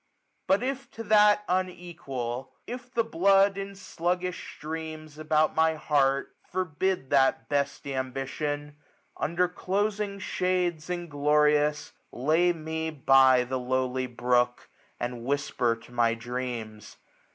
But if to that unequal; if the blood, ^3^5 In sluggish gtreams about my heart, forbid That best ambition; under closing shades^ Inglorious, lay me by the lowly brook^ And whisper to my dreams.